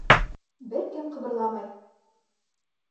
Бер кем ҡыбырламай!